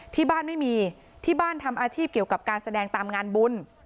ที่บ้านไม่มีที่บ้านทำอาชีพเกี่ยวกับการแสดงตามงานบุญ